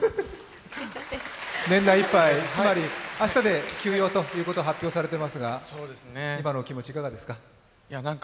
年内いっぱい、つまり明日で休養ということを発表されていますが今のお気持ち、いかがですか。